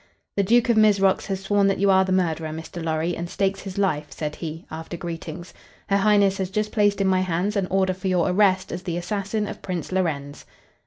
"The Duke of Mizrox has sworn that you are the murderer, Mr. Lorry, and stakes his life," said he, after greetings. "Her highness has just placed in my hands an order for your arrest as the assassin of Prince Lorenz."